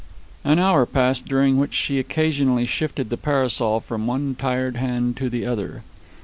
An hour passed, during which she occasionally shifted the parasol from one tired hand to the other.